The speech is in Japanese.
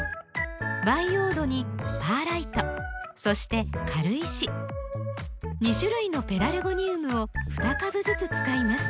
培養土にパーライトそして軽石２種類のペラルゴニウムを２株ずつ使います。